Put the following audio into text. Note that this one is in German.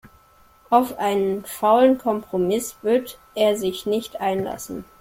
Auf einen faulen Kompromiss wird er sich nicht einlassen.